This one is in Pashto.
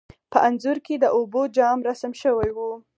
په انځور کې د اوبو جام رسم شوی و.